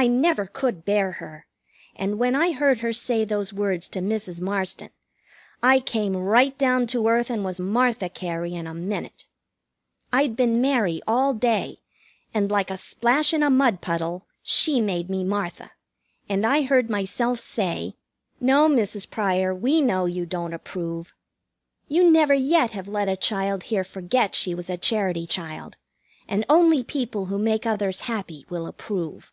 I never could bear her; and when I heard her say those words to Mrs. Marsden, I came right down to earth and was Martha Cary in a minute. I'd been Mary all day, and, like a splash in a mud puddle, she made me Martha; and I heard myself say: "No, Mrs. Pryor, we know you don't approve. You never yet have let a child here forget she was a Charity child, and only people who make others happy will approve."